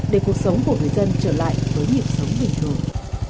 để cuộc sống của người dân trở lại với nhịp sống bình thường